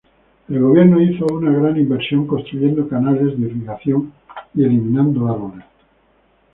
El gobierno hizo una gran inversión construyendo canales de irrigación y eliminando árboles.